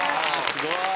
すごい！